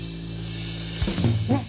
ねっ？